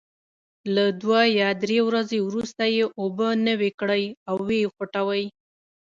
له دوه یا درې ورځو وروسته یې اوبه نوي کړئ او وې خوټوئ.